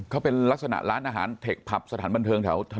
เขาเป็นลักษณะร้านอาหารเทคผับสถานบันเทิงแถว